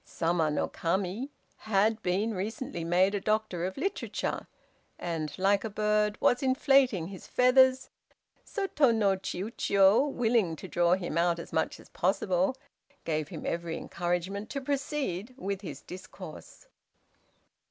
Sama no Kami had been recently made a doctor of literature, and (like a bird) was inflating his feathers, so Tô no Chiûjiô, willing to draw him out as much as possible, gave him every encouragement to proceed with his discourse.